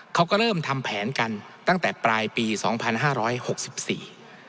เขาก็เริ่มทำแผนกันตั้งแต่ปลายปีสองพันห้าร้อยหกสิบสี่